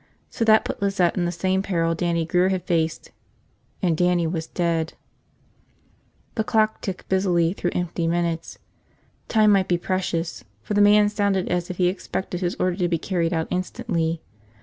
So that put Lizette in the same peril Dannie Grear had faced. And Dannie was dead. The clock ticked busily through empty minutes. Time might be precious, for the man sounded as if he expected his order to be carried out instantly.